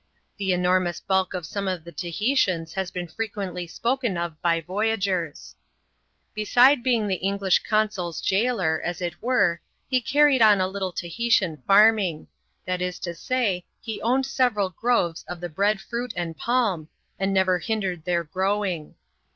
The enormous bulk of some of the Tahitians has been frequently spoken of by voyagers. Beside being the English consul's jailor, as it were, he carried on a little Tahitian farming ; that is to say, he owned several grorea of the bread fruit and pa\m, oa^ li^^^x \£viA<st^tkeir CHAP, xxxl] the CALABOOZA BERETANEE. 121 growing.